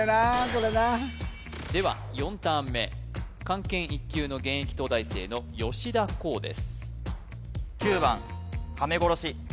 これなでは４ターン目漢検１級の現役東大生の田晄です